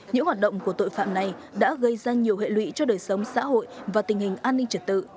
những hoạt động của tội phạm này đã gây ra nhiều hệ lụy cho đời sống xã hội và tình hình an ninh trật tự